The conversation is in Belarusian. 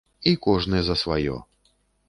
І кожны за сваё.